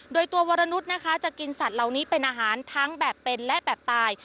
โดยตัววรนุษย์นะคะจะกินสัตว์เหล่านี้เป็นอาหารทั้งแบบเป็นและแบบตาย